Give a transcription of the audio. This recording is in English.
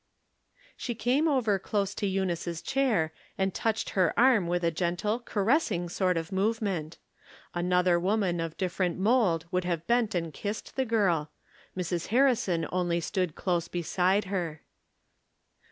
She came over close to Ennice's chair, and touched her arm with a gentle, caressing sort of movement. Another woman of different mold would have bent and kissed the girl. Mrs. Har rison only stood close beside her.